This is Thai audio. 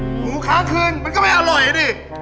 หมูค้างคืนมันก็ไม่อร่อยอ่ะดิ